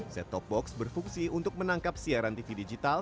set top box berfungsi untuk menangkap siaran tv digital